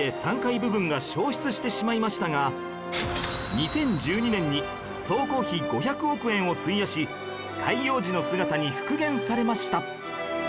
２０１２年に総工費５００億円を費やし開業時の姿に復元されました